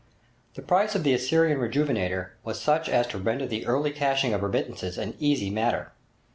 The price of the 'Assyrian Rejuvenator' was such as to render the early cashing of remittances an easy matter.